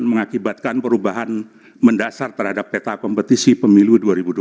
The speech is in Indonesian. mengakibatkan perubahan mendasar terhadap peta kompetisi pemilu dua ribu dua puluh